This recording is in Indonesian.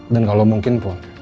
dan kalau mungkin pun